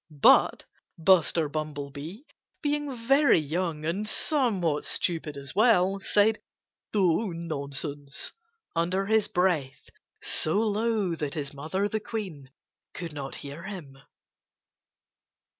But Buster Bumblebee, being very young and somewhat stupid as well, said "Oh, nonsense!" under his breath, so low that his mother, the Queen, could not hear him.